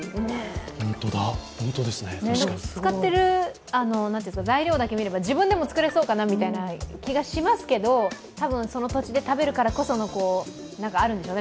使ってる材料だけ見れば自分でも作れそうかなという気がしますけど、多分、その土地で食べるからこその何かあるんでしょうね。